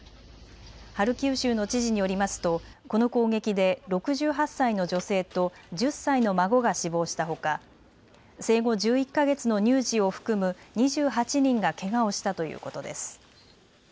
ハルキウ州の知事によりますとこの攻撃で６８歳の女性と１０歳の孫が死亡したほか生後１１か月の乳児を含む２８人がけがをしたということです。